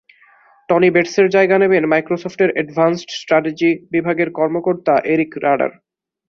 Tony বেটসের জায়গা নেবেন মাইক্রোসফটের অ্যাডভান্সড স্ট্র্যাটেজি বিভাগের কর্মকর্তা এরিক রাডার।